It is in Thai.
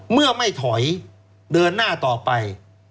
เมื่อไม่ถอยเดินหน้าต่อไป